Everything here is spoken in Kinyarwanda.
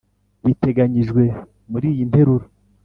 biteganyijwe muri iyi Nteruro